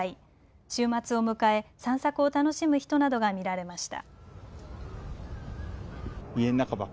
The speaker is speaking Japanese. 週末を迎え散策を楽しむ人などが見られました。